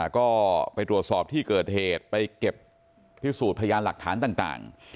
ก็ไปตรวจสอบที่เกิดเหตุไปเก็บพิสูจน์พยานหลักฐานต่าง